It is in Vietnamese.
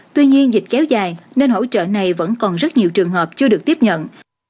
tuy nhiên dịch kéo dài nên hỗ trợ này vẫn còn rất nhiều trường hợp chưa được tiếp nhận